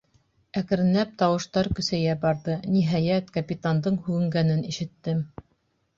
Әкренләп тауыштары көсәйә барҙы, ниһәйәт, капитандың һүгенгәнен ишеттем.